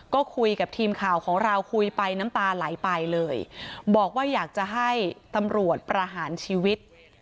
ก็คุยกับทีมข่าวของเราคุยไปน้ำตาไหลไปเลยบอกว่าอยากจะให้ตำรวจประหารชีวิต